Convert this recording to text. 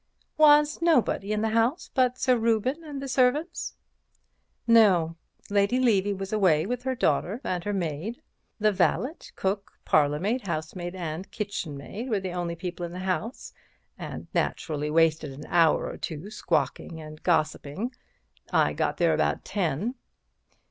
"Was nobody in the house but Sir Reuben and the servants?" "No; Lady Levy was away with her daughter and her maid. The valet, cook, parlourmaid, housemaid and kitchenmaid were the only people in the house, and naturally wasted an hour or two squawking and gossiping. I got there about ten."